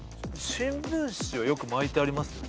新聞紙はよく巻いてありますよね。